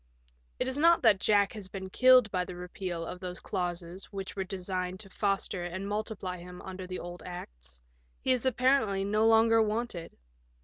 It is not that Jack has been killed by the repeal of those clauses which were designed to foster and multiply him under the old Acts ; he is apparently no longer wanted.